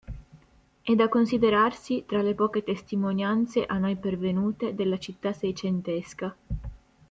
È da considerarsi tra le poche testimonianze a noi pervenute della città seicentesca.